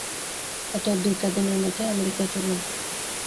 অতএব দু-চার দিনের মধ্যেই আমেরিকায় চললুম।